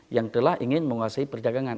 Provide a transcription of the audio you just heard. yang telah ingin menguasai perdagangan